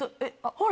ほら！